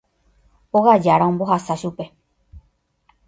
Óga jára ombohasa chupe.